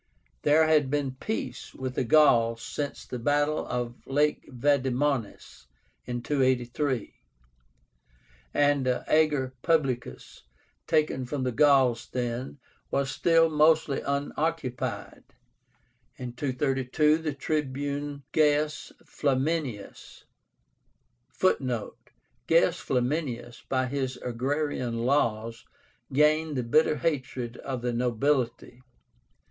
There had been peace with the Gauls since the battle of Lake Vadimónis in 283. The ager publicus, taken from the Gauls then, was still mostly unoccupied. In 232 the Tribune Gaius Flaminius (Footnote: Gaius Flaminius, by his agrarian laws gained the bitter hatred of the nobility.